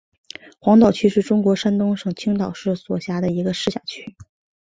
黄岛区是中国山东省青岛市所辖的一个市辖区。